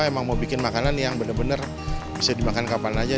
emang mau bikin makanan yang benar benar bisa dimakan kapan aja